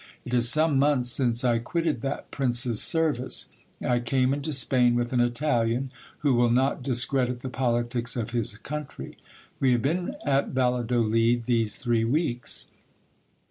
It is some months since I quitted that prince's ser vice. I came into Spain with an Italian, who will not discredit the politics of his country : we have been at Valladolid these three weeks.